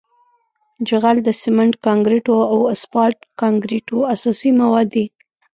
جغل د سمنټ کانکریټو او اسفالټ کانکریټو اساسي مواد دي